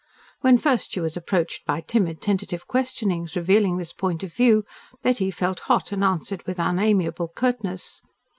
When first she was approached by timid, tentative questionings revealing this point of view, Betty felt hot and answered with unamiable curtness.